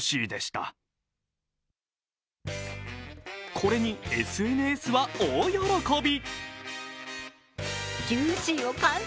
これに、ＳＮＳは大喜び！